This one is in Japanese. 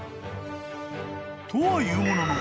［とはいうものの］